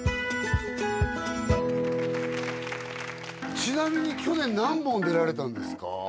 ちなみに去年何本出られたんですか？